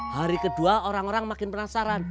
hari kedua orang orang makin penasaran